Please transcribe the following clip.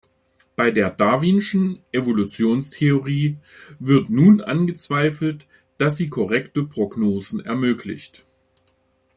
Bei der darwinschen Evolutionstheorie wird nun angezweifelt, dass sie korrekte Prognosen ermöglicht.